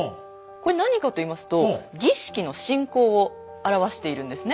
これ何かといいますと儀式の進行を表しているんですね。